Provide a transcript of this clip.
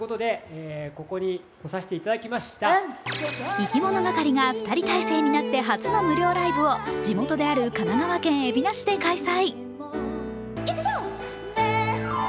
いきものがかりが２人体制になって初の無料ライブを地元である神奈川県海老名市で開催。